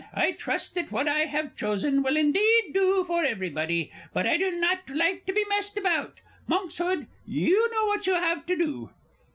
I trust that what I have chosen will indeed do for everybody, but I do not like to be messed about. Monkshood, you know what you have to do.